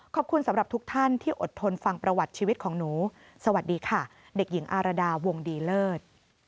ขอบคุณสำหรับทุกท่านที่อดทนฟังประวัติชีวิตของหนูสวัสดีค่ะเด็กหญิงอารดาวงดีเลิศ